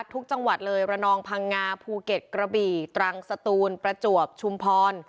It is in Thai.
จังหวัดเลยระนองพังงาภูเก็ตกระบี่ตรังสตูนประจวบชุมพร